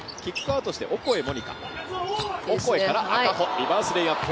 リバースレイアップ。